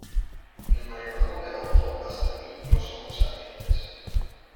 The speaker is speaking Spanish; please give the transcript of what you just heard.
el mayordomo levantó hasta mí los ojos ardientes: